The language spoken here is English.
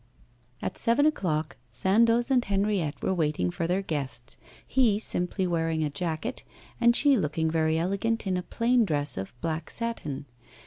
At seven o'clock Sandoz and Henriette were waiting for their guests, he simply wearing a jacket, and she looking very elegant in a plain dress of black satin.